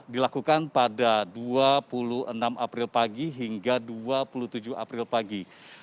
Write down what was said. dilakukan pada dua puluh enam april pagi hingga dua puluh tujuh april pagi